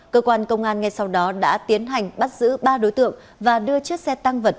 cơ quan công an ngay sau đó đã tiến hành bắt giữ ba đối tượng và đưa chiếc xe tăng vật